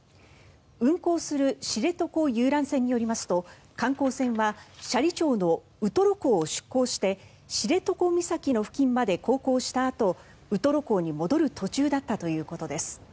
運航する知床遊覧船によりますと観光船は斜里町のウトロ港を出港して知床岬の付近まで航行したあとウトロ港に戻る途中だったということです。